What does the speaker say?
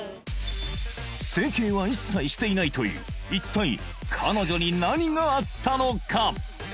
整形は一切していないという一体彼女に何があったのか？